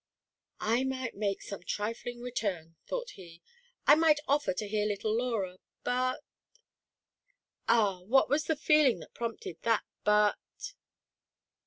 I might make some trifling return," thought he, " I might offer to hear little Laura, but —" Ah, what was the feeling that prompted that but?